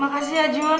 makasih ya jun